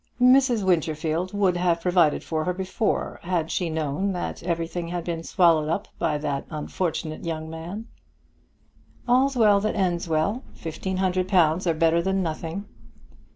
"Mrs. Winterfield would have provided for her before, had she known that everything had been swallowed up by that unfortunate young man." "All's well that ends well. Fifteen hundred pounds are better than nothing."